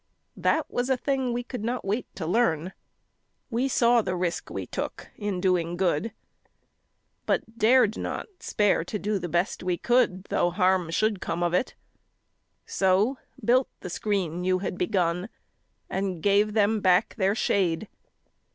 That was a thing we could not wait to learn. We saw the risk we took in doing good, But dared not spare to do the best we could Though harm should come of it; so built the screen You had begun, and gave them back their shade.